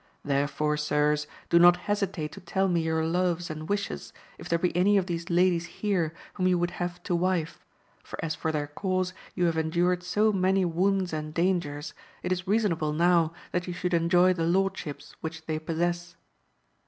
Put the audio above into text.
Therefore, sirs, do not hesitate to tell me your loves and wishes, if there be AMADIS OF GAUL. 261 any of these ladies here whom you would have to wife, for as for their cause ye have endured so many wounds and dangers, it is reasonable now that ye should enjoy the lordships which they possess.